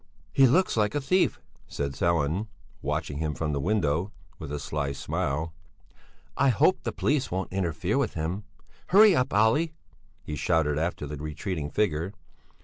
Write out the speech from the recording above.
"He looks like a thief," said Sellén, watching him from the window with a sly smile. "I hope the police won't interfere with him! Hurry up, Olle!" he shouted after the retreating figure.